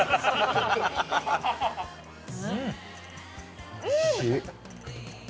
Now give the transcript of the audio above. うん！